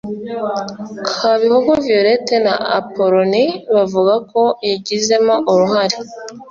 kabihogo violette na appolonie bavuga ko yagizemo uruhare